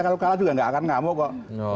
kalau kalah juga nggak akan ngamuk kok